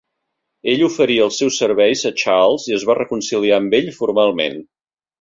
Ell oferí els seus serveis a Charles i es va reconciliar amb ell formalment.